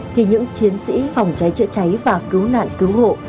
thì những chiến sĩ phòng cháy chữa cháy và cứu nạn cứu hộ